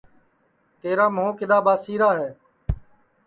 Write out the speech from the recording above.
تیرا مُھو کِدؔا ٻاسیرا ہے